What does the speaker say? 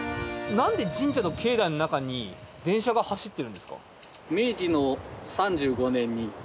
なんで神社の境内の中に電車が走ってるんですか？